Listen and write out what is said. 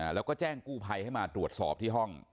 แล้วก็แจ้งกู้ภัยให้มาตรวจสอบที่ห้อง